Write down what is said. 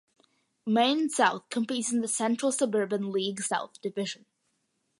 Maine South competes in the Central Suburban League South Division.